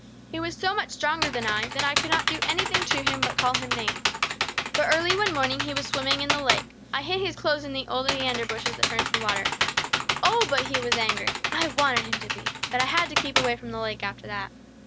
He was so much stronger than I, that I could not do anything to him but call him names. But early one morning he was swimming in the lake. I hid his clothes in the oleander bushes that fringe the water. Oh, but he was angry! I wanted him to be. But I had to keep away from the lake after that.